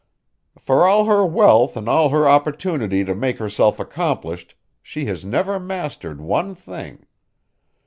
"For all her wealth and all her opportunity to make herself accomplished she has never mastered one thing.